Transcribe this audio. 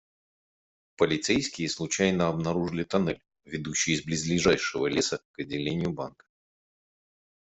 Полицейские случайно обнаружили туннель, ведущий из близлежащего леса к отделению банка.